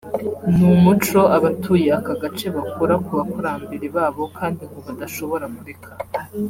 ni umuco abatuye aka gace bakura ku bakurambere babo kandi ngo badashobora kureka